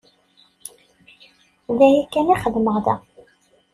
D aya kan i xeddmeɣ da.